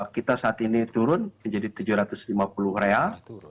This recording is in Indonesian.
kita saat ini turun menjadi tujuh ratus lima puluh real